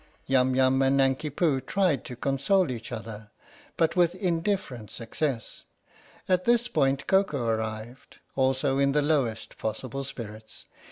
Yum Yum and Nanki Poo tried to console each other, but with indifferent success. At this point Koko arrived, also in the lowest possible spirits.